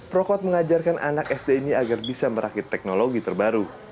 dan mereka juga mengajarkan anak sd ini agar bisa merakit teknologi terbaru